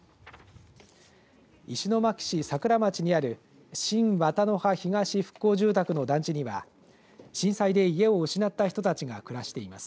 石巻市さくら町にある新渡波東復興住宅の団地には震災で家を失った人たちが暮らしています。